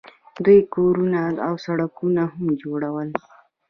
دوی کورونه او سړکونه هم جوړول.